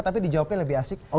tapi dijawabnya lebih asik